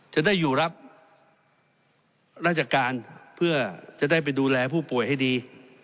จะได้อยู่รับราชการเพื่อจะได้ไปดูแลผู้ป่วยให้ดี